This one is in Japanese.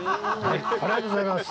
ありがとうございます！